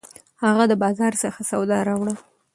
هغه د بازار څخه سودا راوړه